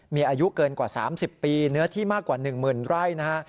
มีอายุเกินกว่า๓๐ปีเนื้อที่มากกว่า๑๐๐๐ไร่นะฮะ